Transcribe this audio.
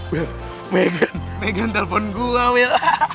wil megan megan telpon gue wil